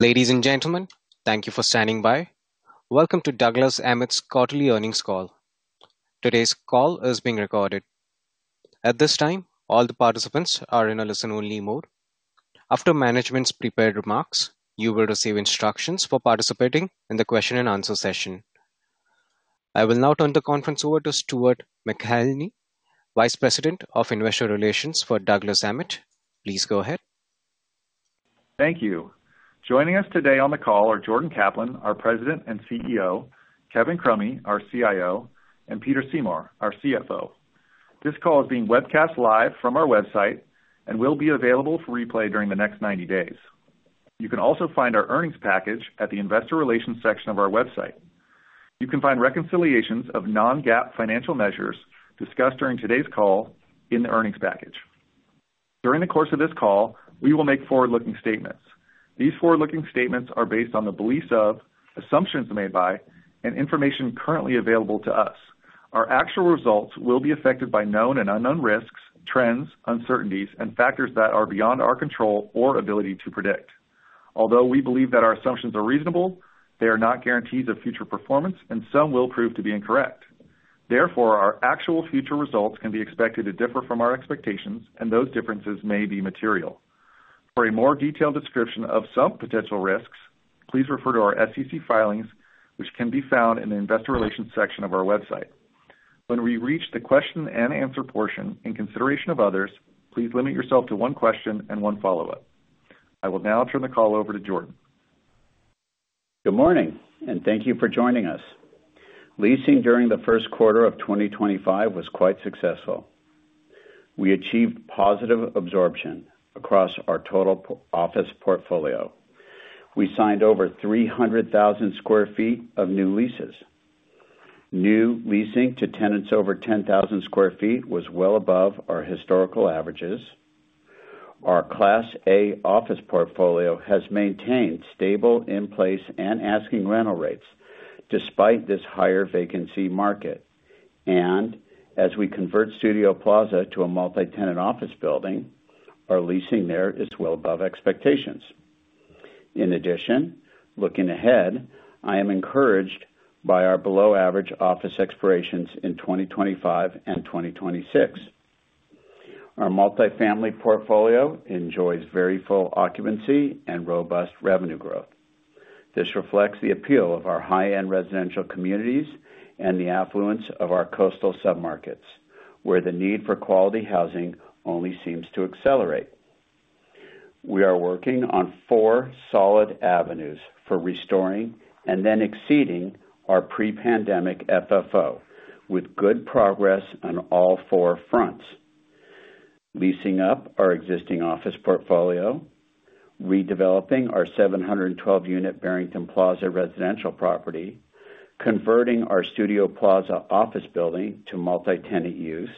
Ladies and gentlemen, thank you for standing by. Welcome to Douglas Emmett's Quarterly Earnings Call. Today's call is being recorded. At this time, all the participants are in a listen-only mode. After management's prepared remarks, you will receive instructions for participating in the question-and-answer session. I will now turn the conference over to Stuart McElhinney, Vice President of Investor Relations for Douglas Emmett. Please go ahead. Thank you. Joining us today on the call are Jordan Kaplan, our President and CEO, Kevin Crummy, our CIO, and Peter Seymour, our CFO. This call is being webcast live from our website and will be available for replay during the next 90 days. You can also find our earnings package at the Investor Relations section of our website. You can find reconciliations of non-GAAP financial measures discussed during today's call in the earnings package. During the course of this call, we will make forward-looking statements. These forward-looking statements are based on the beliefs of, assumptions made by, and information currently available to us. Our actual results will be affected by known and unknown risks, trends, uncertainties, and factors that are beyond our control or ability to predict. Although we believe that our assumptions are reasonable, they are not guarantees of future performance, and some will prove to be incorrect. Therefore, our actual future results can be expected to differ from our expectations, and those differences may be material. For a more detailed description of some potential risks, please refer to our SEC filings, which can be found in the Investor Relations section of our website. When we reach the question-and-answer portion, in consideration of others, please limit yourself to one question and one follow-up. I will now turn the call over to Jordan. Good morning, and thank you for joining us. Leasing during the first quarter of 2025 was quite successful. We achieved positive absorption across our total office portfolio. We signed over 300,000 sq ft of new leases. New leasing to tenants over 10,000 sq ft was well above our historical averages. Our Class A office portfolio has maintained stable in-place and asking rental rates despite this higher vacancy market. As we convert Studio Plaza to a multi-tenant office building, our leasing there is well above expectations. In addition, looking ahead, I am encouraged by our below-average office expirations in 2025 and 2026. Our multi-family portfolio enjoys very full occupancy and robust revenue growth. This reflects the appeal of our high-end residential communities and the affluence of our coastal submarkets, where the need for quality housing only seems to accelerate. We are working on four solid avenues for restoring and then exceeding our pre-pandemic FFO, with good progress on all four fronts: leasing up our existing office portfolio, redeveloping our 712-unit Barrington Plaza residential property, converting our Studio Plaza office building to multi-tenant use,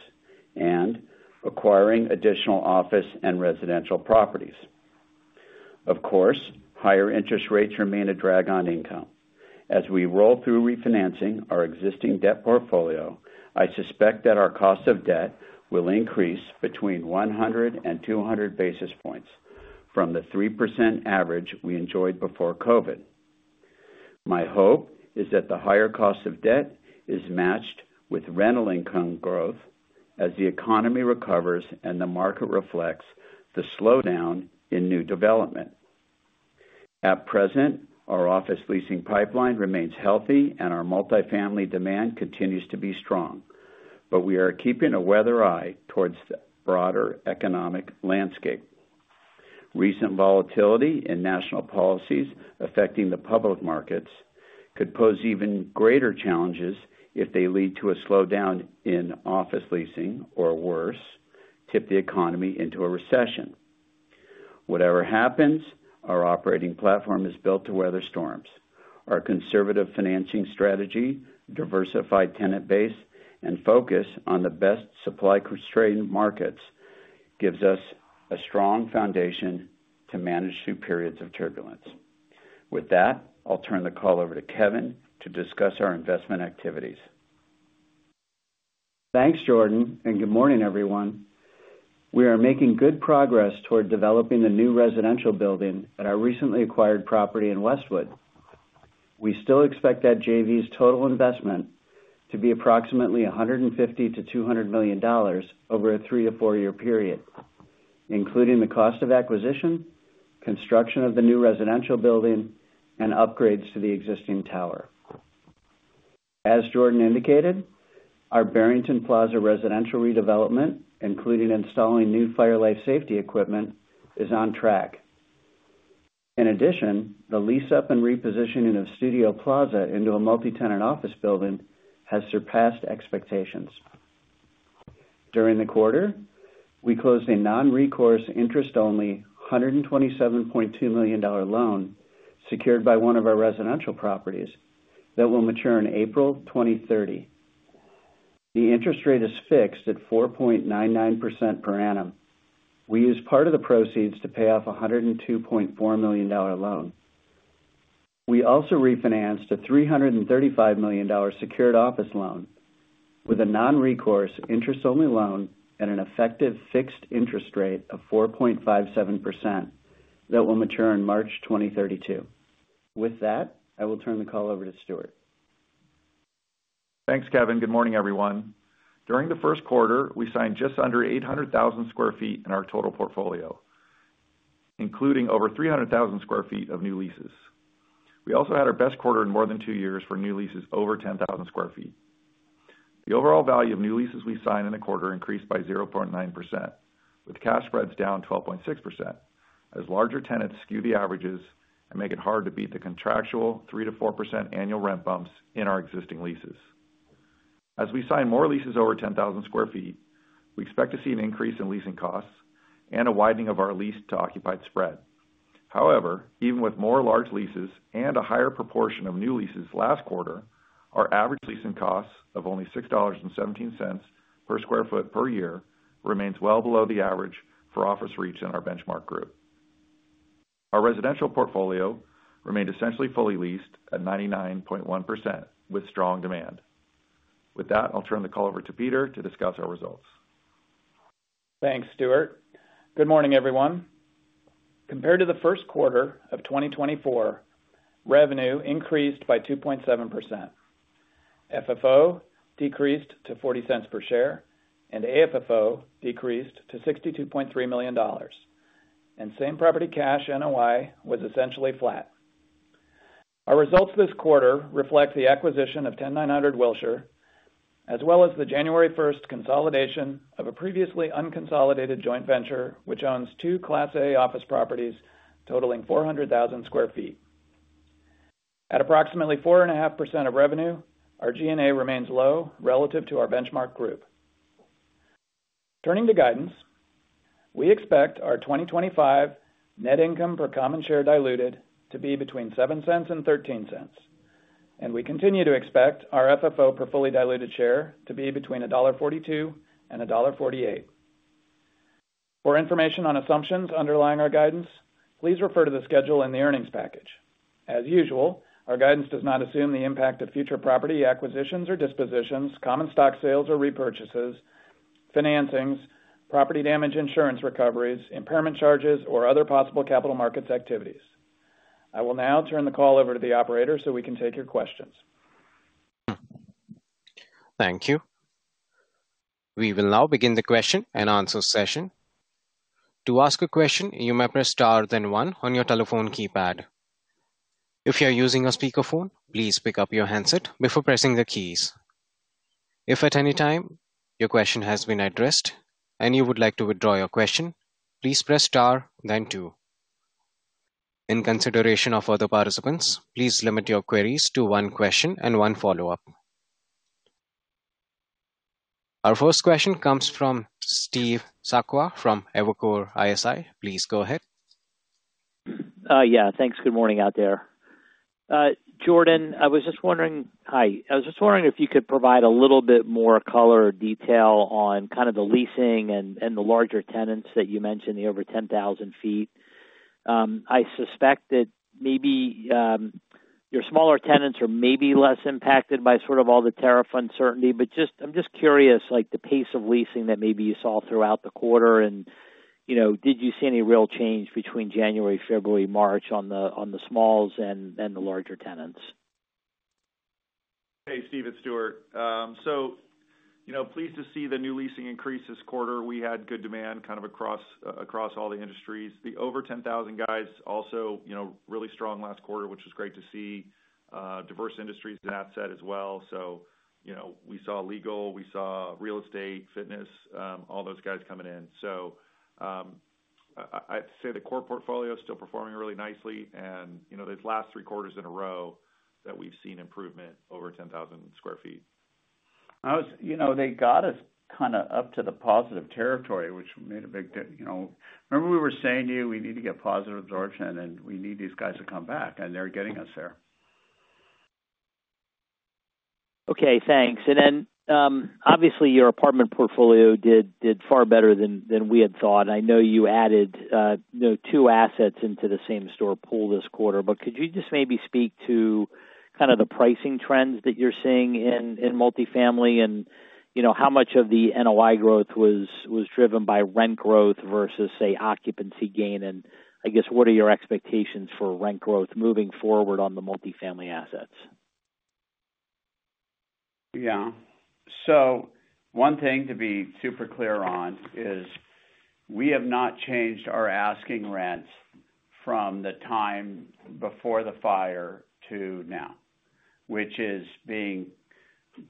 and acquiring additional office and residential properties. Of course, higher interest rates remain a drag on income. As we roll through refinancing our existing debt portfolio, I suspect that our cost of debt will increase between 100 and 200 basis points from the 3% average we enjoyed before COVID. My hope is that the higher cost of debt is matched with rental income growth as the economy recovers and the market reflects the slowdown in new development. At present, our office leasing pipeline remains healthy, and our multi-family demand continues to be strong, but we are keeping a weather eye towards the broader economic landscape. Recent volatility in national policies affecting the public markets could pose even greater challenges if they lead to a slowdown in office leasing or, worse, tip the economy into a recession. Whatever happens, our operating platform is built to weather storms. Our conservative financing strategy, diversified tenant base, and focus on the best supply-constrained markets gives us a strong foundation to manage through periods of turbulence. With that, I'll turn the call over to Kevin to discuss our investment activities. Thanks, Jordan, and good morning, everyone. We are making good progress toward developing the new residential building at our recently acquired property in Westwood. We still expect that JV's total investment to be approximately $150 million-$200 million over a three- to four-year period, including the cost of acquisition, construction of the new residential building, and upgrades to the existing tower. As Jordan indicated, our Barrington Plaza residential redevelopment, including installing new fire life safety equipment, is on track. In addition, the lease-up and repositioning of Studio Plaza into a multi-tenant office building has surpassed expectations. During the quarter, we closed a non-recourse, interest-only $127.2 million loan secured by one of our residential properties that will mature in April 2030. The interest rate is fixed at 4.99% per annum. We used part of the proceeds to pay off a $102.4 million loan. We also refinanced a $335 million secured office loan with a non-recourse, interest-only loan at an effective fixed interest rate of 4.57% that will mature in March 2032. With that, I will turn the call over to Stuart. Thanks, Kevin. Good morning, everyone. During the first quarter, we signed just under 800,000 sq ft in our total portfolio, including over 300,000 sq ft of new leases. We also had our best quarter in more than two years for new leases over 10,000 sq ft. The overall value of new leases we signed in the quarter increased by 0.9%, with cash spreads down 12.6% as larger tenants skew the averages and make it hard to beat the contractual 3%-4% annual rent bumps in our existing leases. As we sign more leases over 10,000 sq ft, we expect to see an increase in leasing costs and a widening of our lease-to-occupied spread. However, even with more large leases and a higher proportion of new leases last quarter, our average leasing costs of only $6.17 per sq ft per year remain well below the average for office REITs in our benchmark group. Our residential portfolio remained essentially fully leased at 99.1%, with strong demand. With that, I'll turn the call over to Peter to discuss our results. Thanks, Stuart. Good morning, everyone. Compared to the first quarter of 2024, revenue increased by 2.7%. FFO decreased to $0.40 per share, and AFFO decreased to $62.3 million. Same property cash NOI was essentially flat. Our results this quarter reflect the acquisition of 10900 Wilshire, as well as the January 1st consolidation of a previously unconsolidated joint venture which owns two Class A office properties totaling 400,000 sq ft. At approximately 4.5% of revenue, our G&A remains low relative to our benchmark group. Turning to guidance, we expect our 2025 net income per common share diluted to be between $0.07 and $0.13, and we continue to expect our FFO per fully diluted share to be between $1.42 and $1.48. For information on assumptions underlying our guidance, please refer to the schedule in the earnings package. As usual, our guidance does not assume the impact of future property acquisitions or dispositions, common stock sales or repurchases, financings, property damage insurance recoveries, impairment charges, or other possible capital markets activities. I will now turn the call over to the operator so we can take your questions. Thank you. We will now begin the question and answer session. To ask a question, you may press star then one on your telephone keypad. If you're using a speakerphone, please pick up your handset before pressing the keys. If at any time your question has been addressed and you would like to withdraw your question, please press star then two. In consideration of other participants, please limit your queries to one question and one follow-up. Our first question comes from Steve Sakwa from Evercore ISI. Please go ahead. Yeah, thanks. Good morning out there. Jordan, I was just wondering—hi, I was just wondering if you could provide a little bit more color or detail on kind of the leasing and the larger tenants that you the over 10,000 ft. I suspect that maybe your smaller tenants are maybe less impacted by sort of all the tariff uncertainty, but I'm just curious, like the pace of leasing that maybe you saw throughout the quarter, and did you see any real change between January, February, March on the smalls and the larger tenants? Hey, Steve, it's Stuart. So pleased to see the new leasing increase this quarter. We had good demand kind of across all the industries. The over 10,000 guys also really strong last quarter, which was great to see. Diverse industries in that set as well. We saw legal, we saw real estate, fitness, all those guys coming in. I'd say the core portfolio is still performing really nicely, and those last three quarters in a row that we've seen improvement over 10,000 sq ft. They got us kind of up to the positive territory, which made a big—remember we were saying to you, we need to get positive absorption, and we need these guys to come back, and they're getting us there. Okay, thanks. Obviously your apartment portfolio did far better than we had thought. I know you added two assets into the same-store pool this quarter, but could you just maybe speak to kind of the pricing trends that you're seeing in multi-family and how much of the NOI growth was driven by rent growth versus, say, occupancy gain? I guess, what are your expectations for rent growth moving forward on the multi-family assets? Yeah. One thing to be super clear on is we have not changed our asking rents from the time before the fire to now, which is being,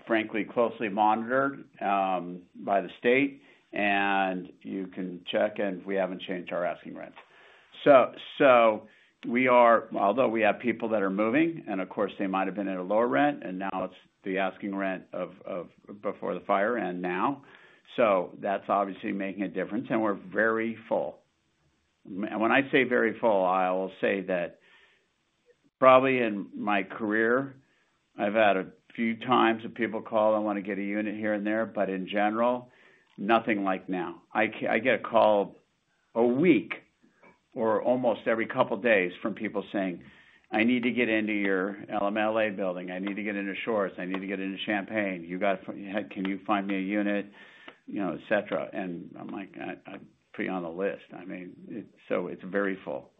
frankly, closely monitored by the state, and you can check, and we have not changed our asking rents. Although we have people that are moving, and of course, they might have been at a lower rent, and now it is the asking rent of before the fire and now. That is obviously making a difference, and we are very full. When I say very full, I will say that probably in my career, I have had a few times that people call and want to get a unit here and there, but in general, nothing like now. I get a call a week or almost every couple of days from people saying, "I need to get into your LMLA building. I need to get into Shores. I need to get into Champagne. Can you find me a unit, etc.? I mean, I'll put you on the list. I mean, it is very full.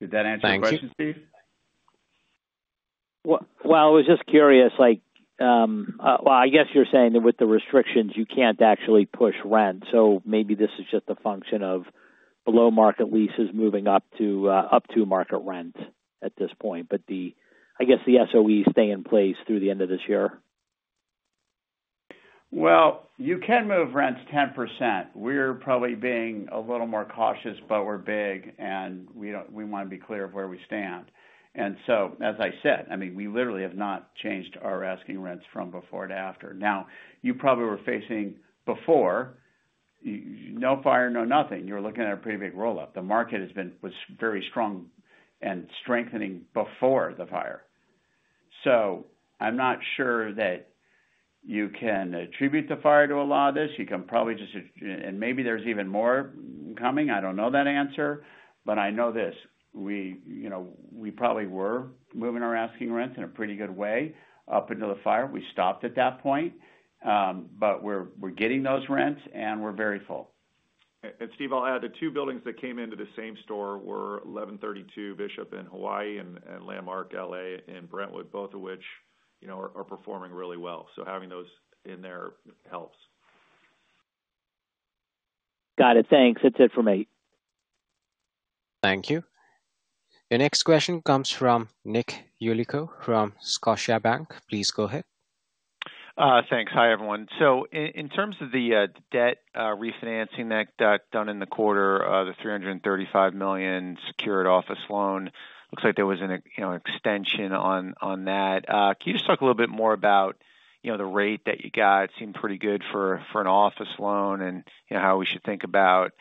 Did that answer your question, Steve? I was just curious. I guess you're saying that with the restrictions, you can't actually push rent. Maybe this is just a function of below-market leases moving up to market rent at this point, but I guess the SOEs stay in place through the end of this year. You can move rents 10%. We're probably being a little more cautious, but we're big, and we want to be clear of where we stand. As I said, I mean, we literally have not changed our asking rents from before to after. Now, you probably were facing before, no fire, no nothing. You were looking at a pretty big roll-up. The market was very strong and strengthening before the fire. I'm not sure that you can attribute the fire to a lot of this. You can probably just—and maybe there's even more coming. I don't know that answer, but I know this. We probably were moving our asking rents in a pretty good way up until the fire. We stopped at that point, but we're getting those rents, and we're very full. Steve, I'll add the two buildings that came into the same store were 1132 Bishop in Hawaii and Landmark L.A. in Brentwood, both of which are performing really well. Having those in there helps. Got it. Thanks. That's it for me. Thank you. The next question comes from Nick Yulico from Scotiabank. Please go ahead. Thanks. Hi, everyone. In terms of the debt refinancing that got done in the quarter, the $335 million secured office loan, looks like there was an extension on that. Can you just talk a little bit more about the rate that you got? It seemed pretty good for an office loan and how we should think about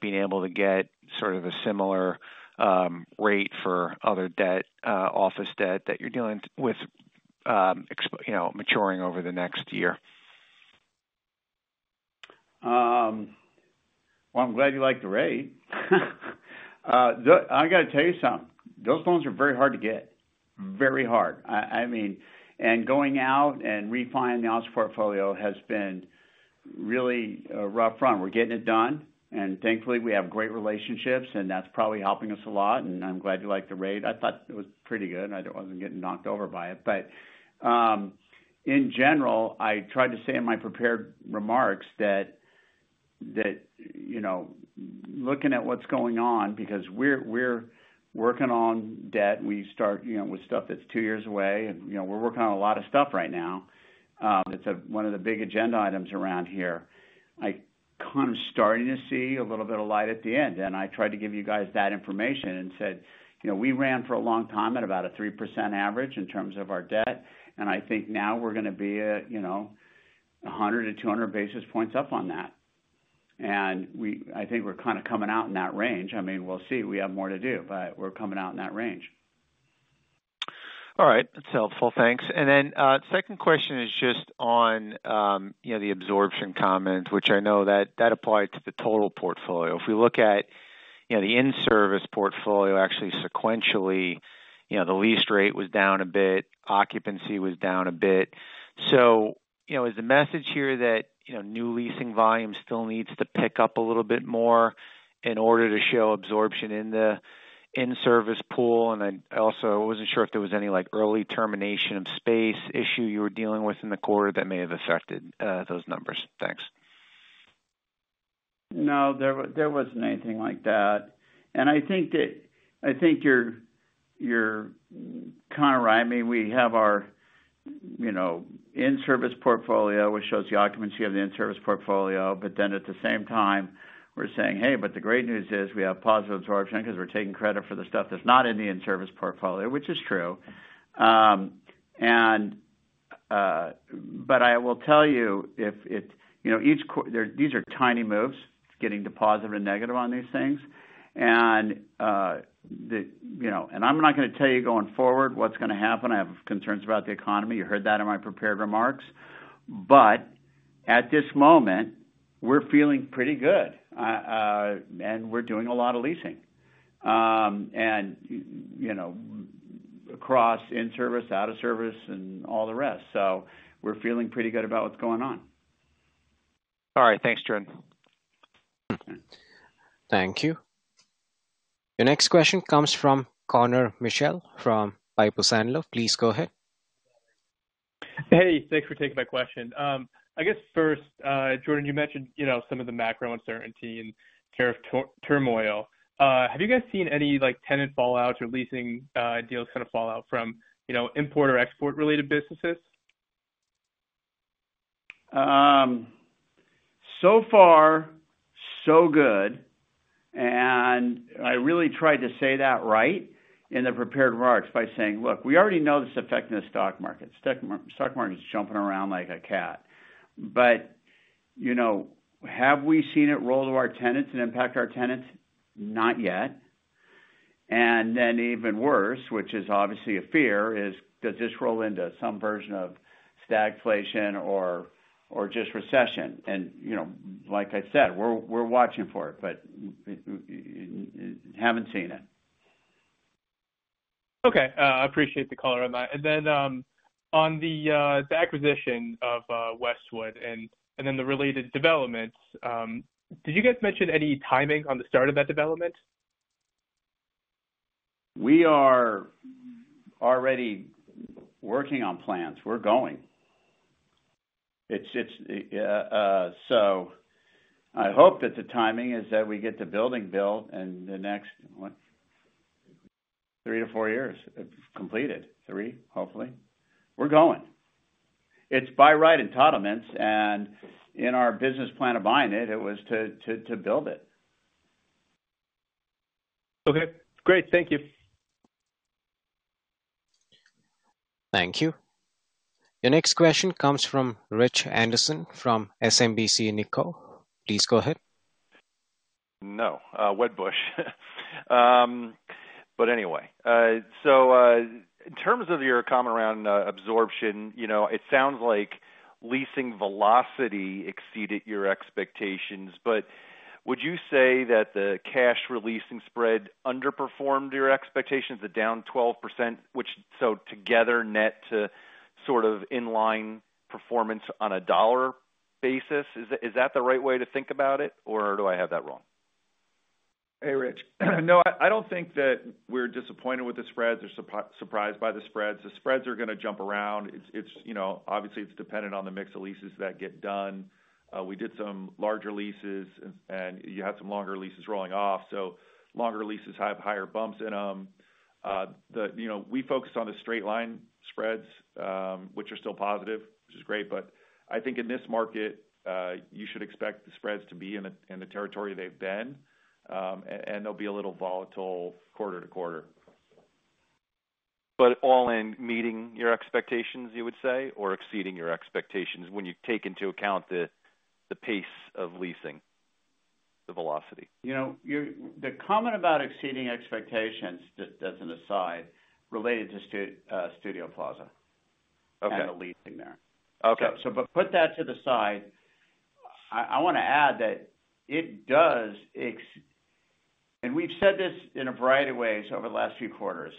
being able to get sort of a similar rate for other office debt that you're dealing with maturing over the next year. I'm glad you liked the rate. I got to tell you something. Those loans are very hard to get. Very hard. I mean, going out and refinancing the office portfolio has been really a rough run. We're getting it done, and thankfully we have great relationships, and that's probably helping us a lot, and I'm glad you liked the rate. I thought it was pretty good. I wasn't getting knocked over by it. In general, I tried to say in my prepared remarks that looking at what's going on, because we're working on debt, we start with stuff that's two years away, and we're working on a lot of stuff right now. It's one of the big agenda items around here. I'm kind of starting to see a little bit of light at the end, and I tried to give you guys that information and said we ran for a long time at about a 3% average in terms of our debt, and I think now we're going to be 100 basis points-200 basis points up on that. I think we're kind of coming out in that range. I mean, we'll see. We have more to do, but we're coming out in that range. All right. That's helpful. Thanks. The second question is just on the absorption comment, which I know that applied to the total portfolio. If we look at the in-service portfolio, actually sequentially, the lease rate was down a bit. Occupancy was down a bit. Is the message here that new leasing volume still needs to pick up a little bit more in order to show absorption in the in-service pool? I also was not sure if there was any early termination of space issue you were dealing with in the quarter that may have affected those numbers. Thanks. No, there was not anything like that. I think you are kind of right. I mean, we have our in-service portfolio, which shows the occupancy, the in-service portfolio, but then at the same time, we are saying, "Hey, but the great news is we have positive absorption because we are taking credit for the stuff that is not in the in-service portfolio," which is true. I will tell you, these are tiny moves, getting to positive and negative on these things. I am not going to tell you going forward what is going to happen. I have concerns about the economy. You heard that in my prepared remarks. At this moment, we are feeling pretty good, and we are doing a lot of leasing across in-service, out-of-service, and all the rest. We are feeling pretty good about what is going on. All right. Thanks, Jordan. Thank you. The next question comes from Connor Mitchell from Piper Sandler. Please go ahead. Hey, thanks for taking my question. I guess first, Jordan, you mentioned some of the macro uncertainty and tariff turmoil. Have you guys seen any tenant fallouts or leasing deals kind of fallout from import or export-related businesses? So far, so good. I really tried to say that right in the prepared remarks by saying, "Look, we already know this is affecting the stock market. Stock market is jumping around like a cat." Have we seen it roll to our tenants and impact our tenants? Not yet. Even worse, which is obviously a fear, is does this roll into some version of stagflation or just recession? Like I said, we're watching for it, but have not seen it. Okay. I appreciate the color on that. On the acquisition of Westwood and then the related developments, did you guys mention any timing on the start of that development? We are already working on plans. We're going. I hope that the timing is that we get the building built in the next three to four years, completed. Three, hopefully. We're going. It's by right entitlements, and in our business plan of buying it, it was to build it. Okay. Great. Thank you. Thank you. The next question comes from Rich Anderson from SMBC Nikko. Please go ahead. No. Wedbush. Anyway, in terms of your comment around absorption, it sounds like leasing velocity exceeded your expectations, but would you say that the cash releasing spread underperformed your expectations, the down 12%, which together net to sort of inline performance on a dollar basis? Is that the right way to think about it, or do I have that wrong? Hey, Rich. No, I do not think that we are disappointed with the spreads or surprised by the spreads. The spreads are going to jump around. Obviously, it is dependent on the mix of leases that get done. We did some larger leases, and you had some longer leases rolling off. Longer leases have higher bumps in them. We focused on the straight-line spreads, which are still positive, which is great. I think in this market, you should expect the spreads to be in the territory they've been, and they'll be a little volatile quarter to quarter. All in meeting your expectations, you would say, or exceeding your expectations when you take into account the pace of leasing, the velocity? The comment about exceeding expectations, just as an aside, related to Studio Plaza and the leasing there. Put that to the side. I want to add that it does, and we've said this in a variety of ways over the last few quarters,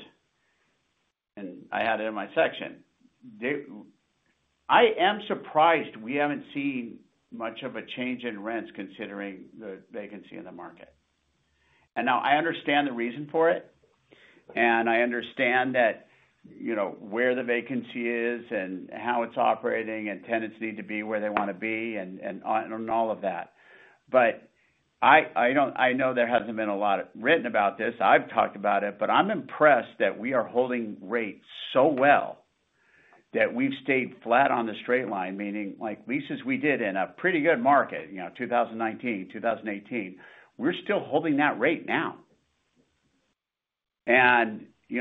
and I had it in my section. I am surprised we haven't seen much of a change in rents considering the vacancy in the market. I understand the reason for it, and I understand where the vacancy is and how it's operating and tenants need to be where they want to be and all of that. I know there hasn't been a lot written about this. I've talked about it, but I'm impressed that we are holding rates so well that we've stayed flat on the straight line, meaning leases we did in a pretty good market, 2019, 2018. We're still holding that rate now.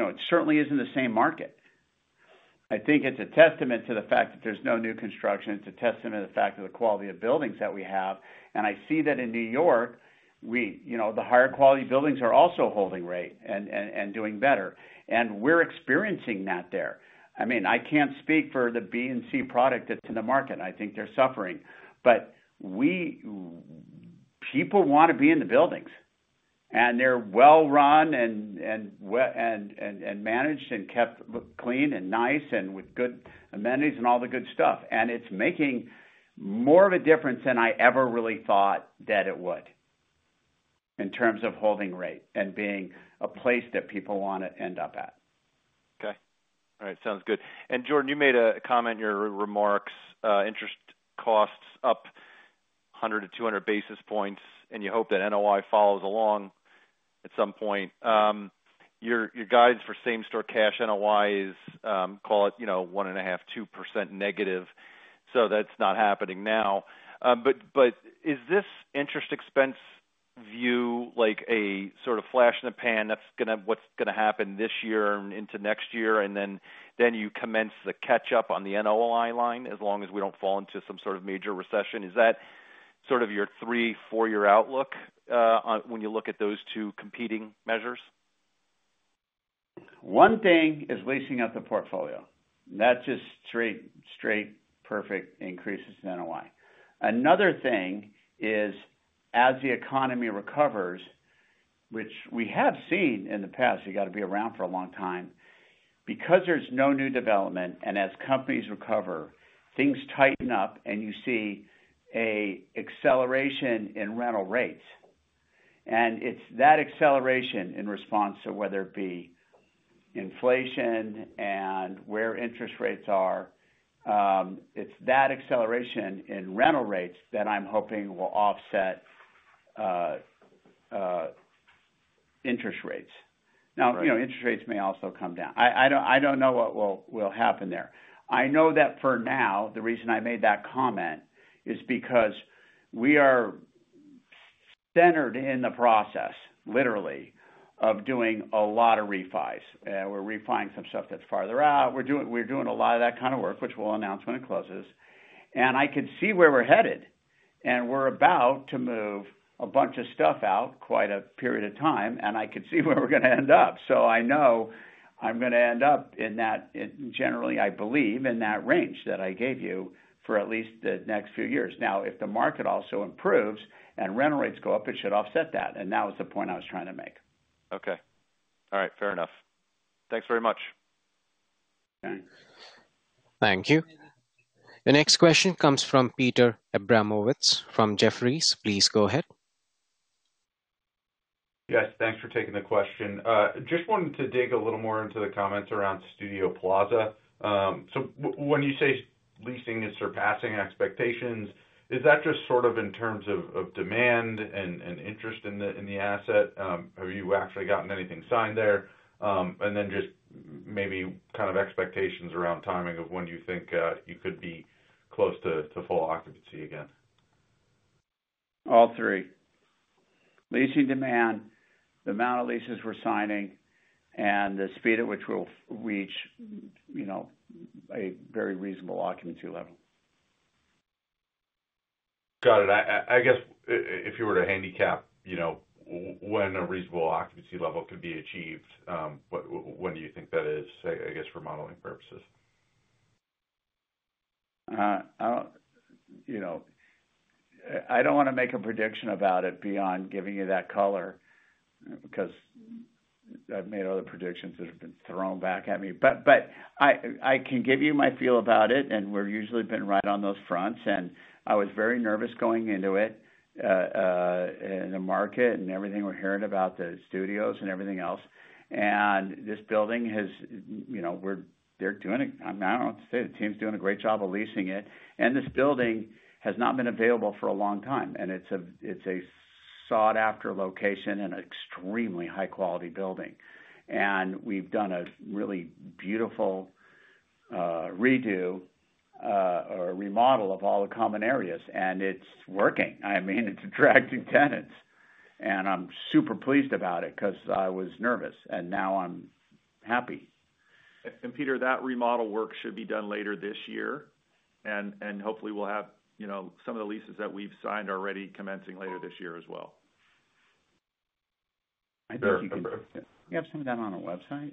It certainly isn't the same market. I think it's a testament to the fact that there's no new construction. It's a testament to the fact of the quality of buildings that we have. I see that in New York, the higher quality buildings are also holding rate and doing better. We're experiencing that there. I mean, I can't speak for the B&C product that's in the market. I think they're suffering. People want to be in the buildings, and they're well run and managed and kept clean and nice and with good amenities and all the good stuff. It's making more of a difference than I ever really thought that it would in terms of holding rate and being a place that people want to end up at. Okay. All right. Sounds good. Jordan, you made a comment in your remarks, interest costs up 100 basis points-200 basis points, and you hope that NOI follows along at some point. Your guidance for same-store cash NOI is, call it 1.5%, 2% negative. That is not happening now. Is this interest expense view like a sort of flash in the pan? That is what is going to happen this year and into next year, and then you commence the catch-up on the NOI line as long as we do not fall into some sort of major recession. Is that sort of your three, four-year outlook when you look at those two competing measures? One thing is leasing out the portfolio. That is just straight, perfect increases in NOI. Another thing is as the economy recovers, which we have seen in the past, you have to be around for a long time. Because there is no new development and as companies recover, things tighten up and you see an acceleration in rental rates. It is that acceleration in response to whether it be inflation and where interest rates are. It is that acceleration in rental rates that I am hoping will offset interest rates. Now, interest rates may also come down. I do not know what will happen there. I know that for now, the reason I made that comment is because we are centered in the process, literally, of doing a lot of refis. We are refining some stuff that is farther out. We are doing a lot of that kind of work, which we will announce when it closes. I can see where we're headed. We're about to move a bunch of stuff out, quite a period of time, and I can see where we're going to end up. I know I'm going to end up in that, generally, I believe, in that range that I gave you for at least the next few years. Now, if the market also improves and rental rates go up, it should offset that. That was the point I was trying to make. Okay. All right. Fair enough. Thanks very much. Thanks. Thank you. The next question comes from Peter Abramowitz from Jefferies. Please go ahead. Yes. Thanks for taking the question. Just wanted to dig a little more into the comments around Studio Plaza. When you say leasing is surpassing expectations, is that just sort of in terms of demand and interest in the asset? Have you actually gotten anything signed there? Just maybe kind of expectations around timing of when you think you could be close to full occupancy again. All three. Leasing demand, the amount of leases we're signing, and the speed at which we'll reach a very reasonable occupancy level. Got it. I guess if you were to handicap when a reasonable occupancy level could be achieved, when do you think that is, I guess, for modeling purposes? I do not want to make a prediction about it beyond giving you that color because I have made other predictions that have been thrown back at me. I can give you my feel about it, and we have usually been right on those fronts. I was very nervous going into it in the market and everything we are hearing about the studios and everything else. This building has—they are doing it. I do not know what to say. The team's doing a great job of leasing it. This building has not been available for a long time. It is a sought-after location and an extremely high-quality building. We have done a really beautiful redo or remodel of all the common areas. It is working. I mean, it is attracting tenants. I am super pleased about it because I was nervous. Now I am happy. Peter, that remodel work should be done later this year. Hopefully, we'll have some of the leases that we've signed already commencing later this year as well. I think you can. You have some of that on our website.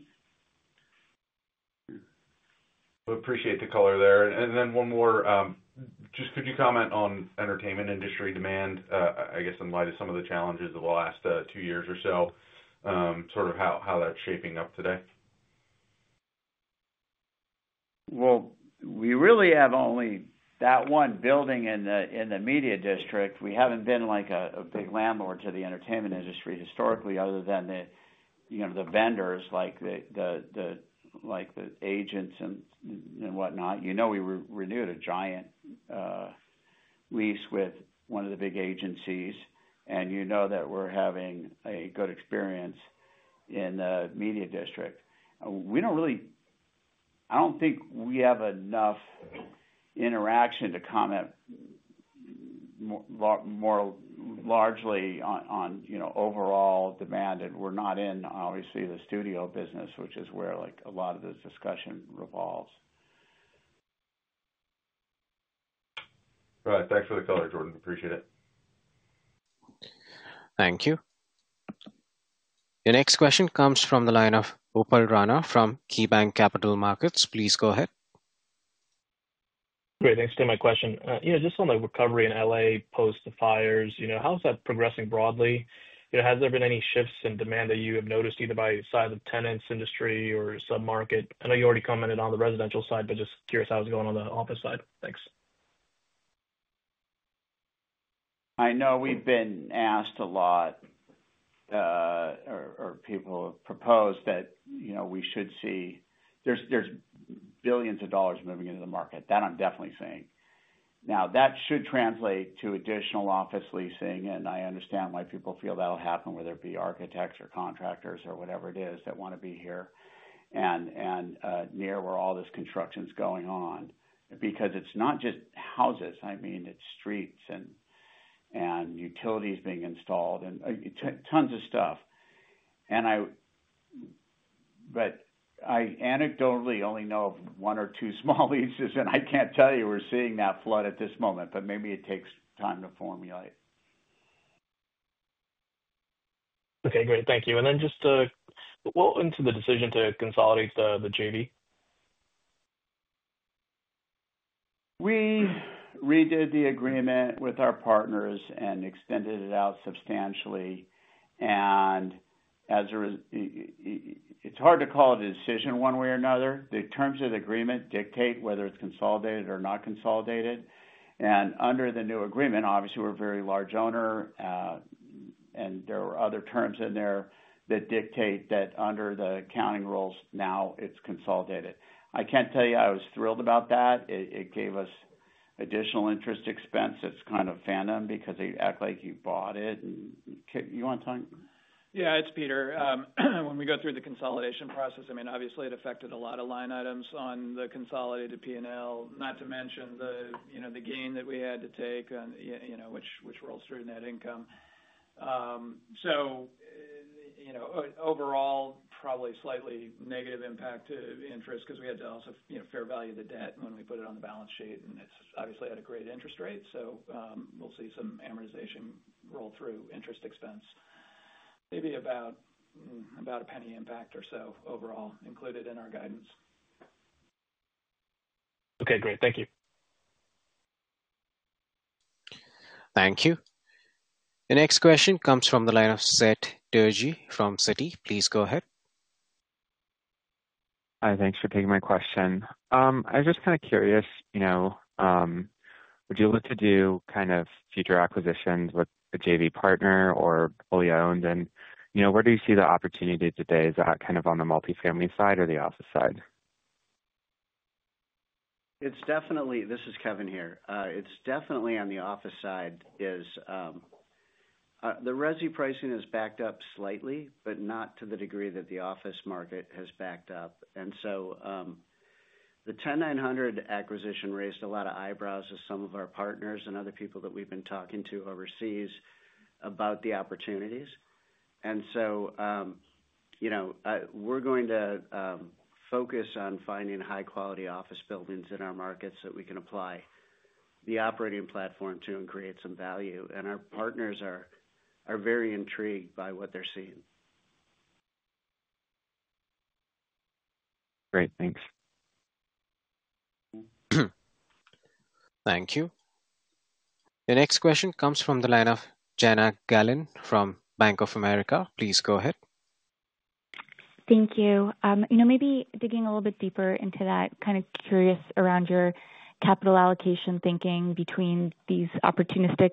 Appreciate the color there. One more. Could you comment on entertainment industry demand, I guess, in light of some of the challenges of the last two years or so, sort of how that's shaping up today? We really have only that one building in the media district. We have not been like a big landlord to the entertainment industry historically, other than the vendors like the agents and whatnot. We renewed a giant lease with one of the big agencies. You know that we are having a good experience in the media district. I do not think we have enough interaction to comment more largely on overall demand. We are not in, obviously, the studio business, which is where a lot of the discussion revolves. All right. Thanks for the color, Jordan. Appreciate it. Thank you. The next question comes from the line of Upal Rana from KeyBanc Capital Markets. Please go ahead. Great. Thanks for my question. Just on the recovery in L.A. post the fires, how's that progressing broadly? Has there been any shifts in demand that you have noticed either by the size of tenants, industry, or sub-market? I know you already commented on the residential side, but just curious how it's going on the office side. Thanks. I know we've been asked a lot or people have proposed that we should see there's billions of dollars moving into the market. That I'm definitely seeing. Now, that should translate to additional office leasing. I understand why people feel that'll happen, whether it be architects or contractors or whatever it is that want to be here and near where all this construction's going on. I mean, it's not just houses. It's streets and utilities being installed and tons of stuff. I anecdotally only know of one or two small leases, and I can't tell you we're seeing that flood at this moment, but maybe it takes time to formulate. Okay. Great. Thank you. What went into the decision to consolidate the JV? We redid the agreement with our partners and extended it out substantially. It is hard to call it a decision one way or another. The terms of the agreement dictate whether it is consolidated or not consolidated. Under the new agreement, obviously, we are a very large owner, and there are other terms in there that dictate that under the accounting rules now, it is consolidated. I cannot tell you I was thrilled about that. It gave us additional interest expense. It is kind of phantom because they act like you bought it. You want to talk? Yeah. It's Peter. When we go through the consolidation process, I mean, obviously, it affected a lot of line items on the consolidated P&L, not to mention the gain that we had to take, which rolls through net income. Overall, probably slightly negative impact to interest because we had to also fair value the debt when we put it on the balance sheet. It's obviously at a great interest rate. We'll see some amortization roll through interest expense. Maybe about a penny impact or so overall included in our guidance. Okay. Great. Thank you. Thank you. The next question comes from the line of Seth Bergey from Citi. Please go ahead. Hi. Thanks for taking my question. I was just kind of curious, would you look to do kind of future acquisitions with a JV partner or fully owned? Where do you see the opportunity today? Is that kind of on the multifamily side or the office side? It's definitely—this is Kevin here. It's definitely on the office side is the result pricing has backed up slightly, but not to the degree that the office market has backed up. The 10900 acquisition raised a lot of eyebrows with some of our partners and other people that we've been talking to overseas about the opportunities. We are going to focus on finding high-quality office buildings in our market so that we can apply the operating platform to and create some value. Our partners are very intrigued by what they're seeing. Great. Thanks. Thank you. The next question comes from the line of Jenna Gallen from Bank of America. Please go ahead. Thank you. Maybe digging a little bit deeper into that, kind of curious around your capital allocation thinking between these opportunistic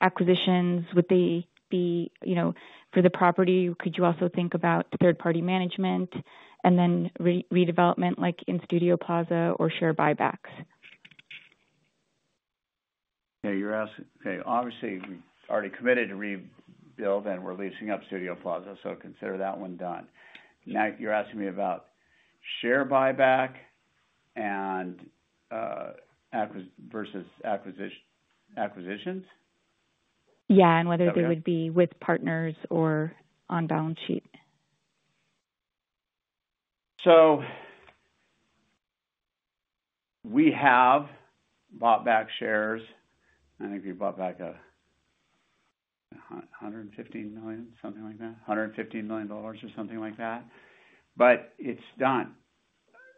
acquisitions with the—for the property, could you also think about third-party management and then redevelopment like in Studio Plaza or share buybacks? Okay. Obviously, we've already committed to rebuild, and we're leasing up Studio Plaza. So consider that one done. Now, you're asking me about share buyback versus acquisitions? Yeah. And whether they would be with partners or on balance sheet. We have bought back shares. I think we bought back $115 million, something like that, $115 million or something like that. It is done.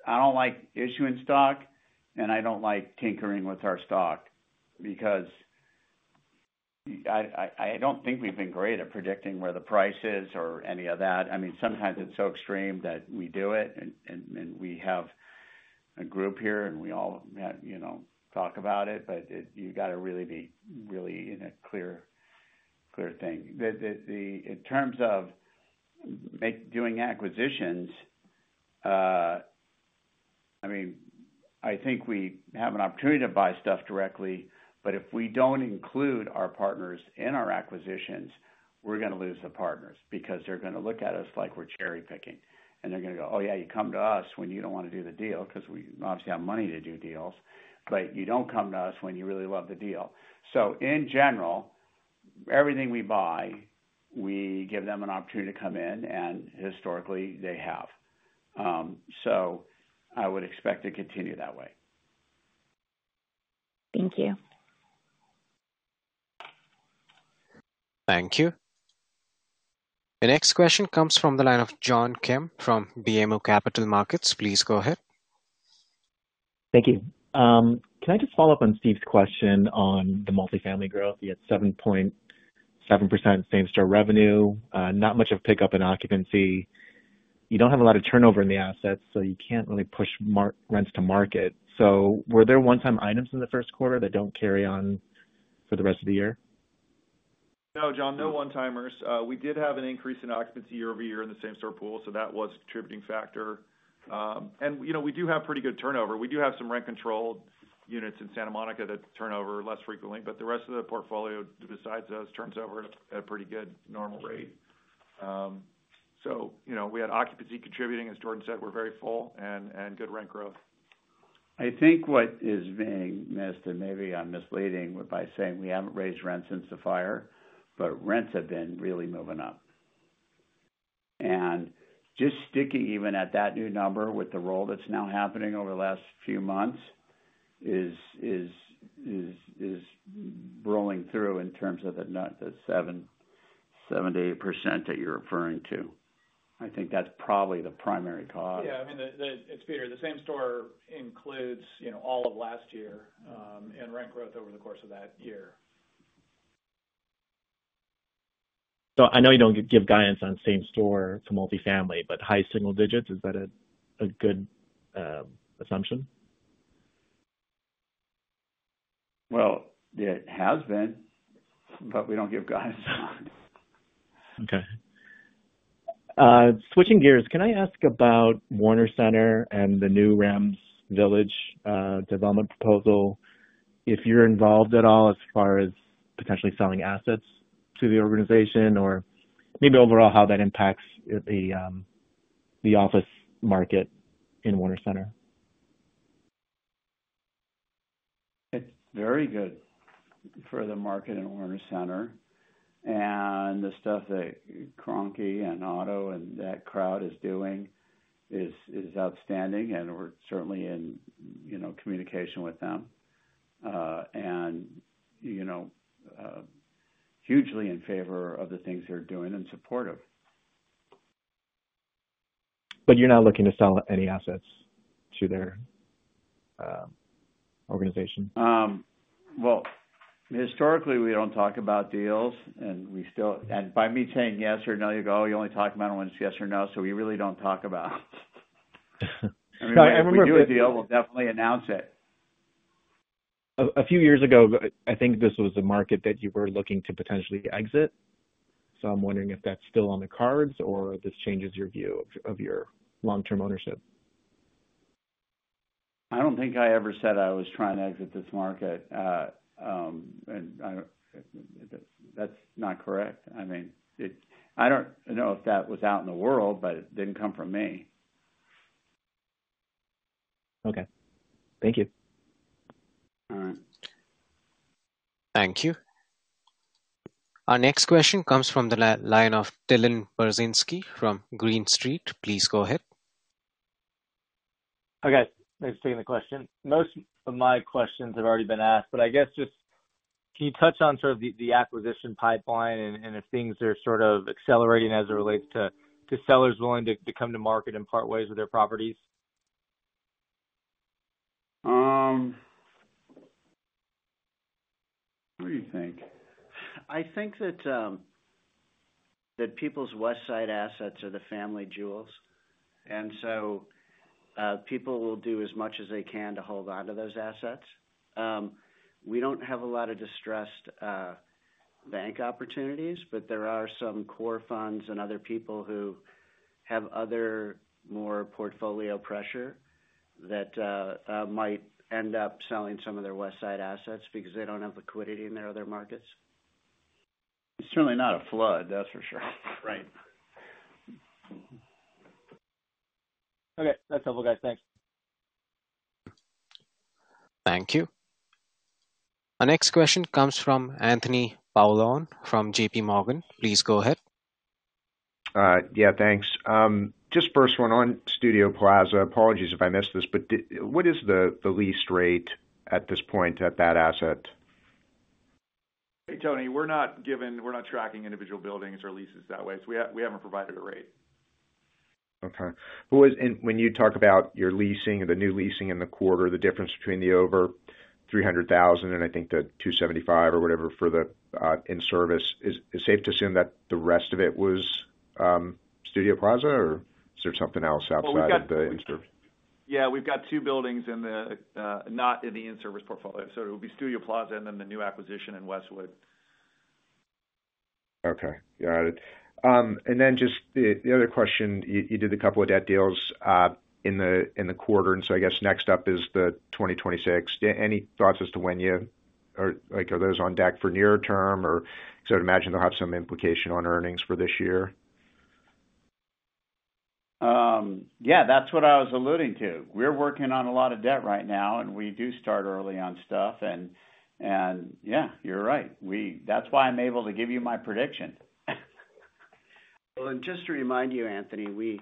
I do not like issuing stock, and I do not like tinkering with our stock because I do not think we have been great at predicting where the price is or any of that. I mean, sometimes it is so extreme that we do it. We have a group here, and we all talk about it. You have to really be really in a clear thing. In terms of doing acquisitions, I mean, I think we have an opportunity to buy stuff directly. If we do not include our partners in our acquisitions, we are going to lose the partners because they are going to look at us like we are cherry-picking. They're going to go, "Oh, yeah, you come to us when you do not want to do the deal because we obviously have money to do deals. You do not come to us when you really love the deal." In general, everything we buy, we give them an opportunity to come in. Historically, they have. I would expect to continue that way. Thank you. Thank you. The next question comes from the line of John Kim from BMO Capital Markets. Please go ahead. Thank you. Can I just follow up on Steve's question on the multifamily growth? You had 7.7% same-store revenue, not much of a pickup in occupancy. You don't have a lot of turnover in the assets, so you can't really push rents to market. So were there one-time items in the first quarter that don't carry on for the rest of the year? No, John, no one-timers. We did have an increase in occupancy year over year in the same-store pool. That was a contributing factor. We do have pretty good turnover. We do have some rent-controlled units in Santa Monica that turn over less frequently. The rest of the portfolio, besides those, turns over at a pretty good normal rate. We had occupancy contributing, as Jordan said, we're very full, and good rent growth. I think what is being missed—and maybe I'm misleading by saying we haven't raised rents since the fire—but rents have been really moving up. Just sticking even at that new number with the roll that's now happening over the last few months is rolling through in terms of the 7%-8% that you're referring to. I think that's probably the primary cause. Yeah. I mean, it's Peter. The same-store includes all of last year and rent growth over the course of that year. I know you don't give guidance on same-store to multifamily, but high single digits, is that a good assumption? It has been, but we don't give guidance on. Okay. Switching gears, can I ask about Warner Center and the new Rams Village development proposal? If you're involved at all as far as potentially selling assets to the organization or maybe overall how that impacts the office market in Warner Center? It's very good for the market in Warner Center. The stuff that Kroenke and Otto and that crowd is doing is outstanding. We're certainly in communication with them and hugely in favor of the things they're doing and supportive. You're not looking to sell any assets to their organization? Historically, we do not talk about deals. By me saying yes or no, you go, "Oh, you only talk about them when it is yes or no." We really do not talk about it. I mean, when we do a deal, we will definitely announce it. A few years ago, I think this was a market that you were looking to potentially exit. I'm wondering if that's still on the cards or if this changes your view of your long-term ownership. I don't think I ever said I was trying to exit this market. That's not correct. I mean, I don't know if that was out in the world, but it didn't come from me. Okay. Thank you. All right. Thank you. Our next question comes from the line of Dylan Burzinski from Green Street. Please go ahead. Okay. Thanks for taking the question. Most of my questions have already been asked. I guess just can you touch on sort of the acquisition pipeline and if things are sort of accelerating as it relates to sellers willing to come to market and part ways with their properties? What do you think? I think that people's Westside assets are the family jewels. People will do as much as they can to hold on to those assets. We do not have a lot of distressed bank opportunities, but there are some core funds and other people who have more portfolio pressure that might end up selling some of their Westside assets because they do not have liquidity in their other markets. It is certainly not a flood, that is for sure. Right. Okay. That's helpful, guys. Thanks. Thank you. Our next question comes from Anthony Paolone from JPMorgan. Please go ahead. Yeah. Thanks. Just first one on Studio Plaza. Apologies if I missed this, but what is the lease rate at this point at that asset? Tony, we're not tracking individual buildings or leases that way. So we haven't provided a rate. Okay. When you talk about your leasing or the new leasing in the quarter, the difference between the over 300,000 and I think the 275 or whatever for the in-service, is it safe to assume that the rest of it was Studio Plaza or is there something else outside of the in-service? Yeah. We've got two buildings not in the in-service portfolio. It would be Studio Plaza and then the new acquisition in Westwood. Okay. Got it. And then just the other question, you did a couple of debt deals in the quarter. I guess next up is the 2026. Any thoughts as to when you are those on deck for near-term or because I would imagine they'll have some implication on earnings for this year? Yeah. That's what I was alluding to. We're working on a lot of debt right now, and we do start early on stuff. Yeah, you're right. That's why I'm able to give you my prediction. Just to remind you, Anthony, we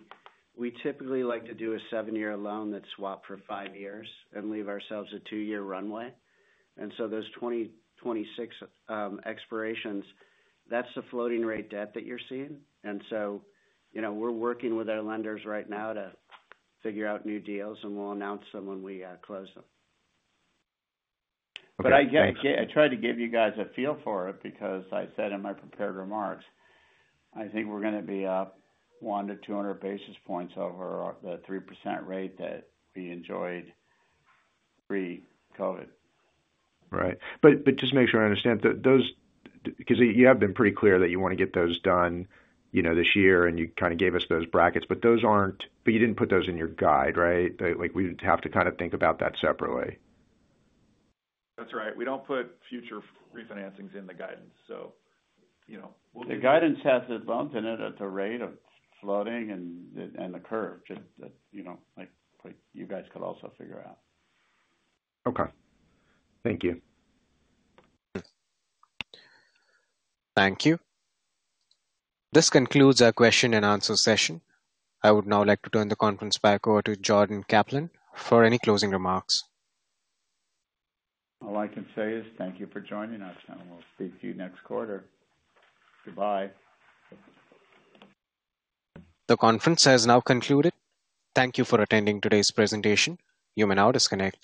typically like to do a seven-year loan that's swapped for five years and leave ourselves a two-year runway. Those 2026 expirations, that's the floating-rate debt that you're seeing. We're working with our lenders right now to figure out new deals, and we'll announce them when we close them. I tried to give you guys a feel for it because I said in my prepared remarks, I think we're going to be up 100 basis points-200 basis points over the 3% rate that we enjoyed pre-COVID. Right. But just to make sure I understand, because you have been pretty clear that you want to get those done this year, and you kind of gave us those brackets. But you did not put those in your guide, right? We would have to kind of think about that separately. That's right. We don't put future refinancings in the guidance. So we'll do. The guidance has a bump in it at the rate of floating and the curve, just like you guys could also figure out. Okay. Thank you. Thank you. This concludes our question-and-answer session. I would now like to turn the conference back over to Jordan Kaplan for any closing remarks. All I can say is thank you for joining us, and we'll speak to you next quarter. Goodbye. The conference has now concluded. Thank you for attending today's presentation. You may now disconnect.